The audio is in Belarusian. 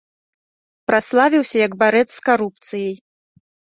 Праславіўся як барэц з карупцыяй.